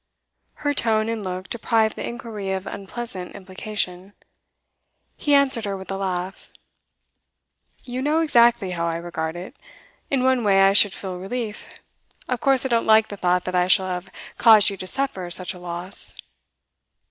Her tone and look deprived the inquiry of unpleasant implication. He answered her with a laugh. 'You know exactly how I regard it. In one way I should feel relief. Of course I don't like the thought that I shall have caused you to suffer such a loss.